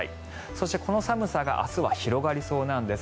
そしてこの寒さが明日は広がりそうなんです。